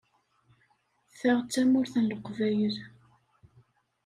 Ta d Tamurt n Leqbayel.